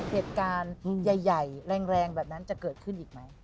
เหตุการณ์ใหญ่แรงแบบนั้นจะเกิดขึ้นอีกไหม